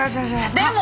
でも！